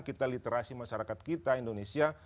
kita literasi masyarakat kita indonesia